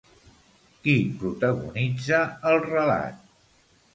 Qui protagonitza el relat?